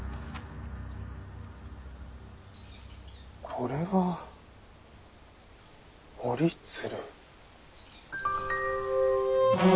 これは折り鶴？